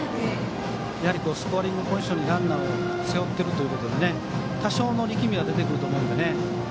スコアリングポジションにランナーを背負っているので多少の力みは出てくると思います。